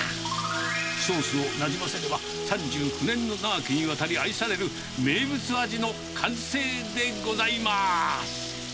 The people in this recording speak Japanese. ソースをなじませれば、３９年の長きにわたり愛される、名物味の完成でございます。